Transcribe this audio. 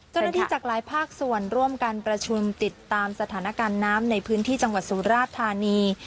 จากหลายภาคส่วนร่วมการประชุมติดตามสถานการณ์น้ำในพื้นที่จังหวัดสุราธานี